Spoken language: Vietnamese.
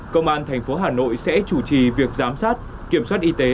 công an thành phố hà nội sẽ chủ trì việc giám sát kiểm soát y tế